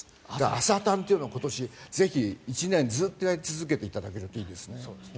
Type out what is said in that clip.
朝たんというのは今年、ぜひ１年ずっとやり続けていただけるといいですね。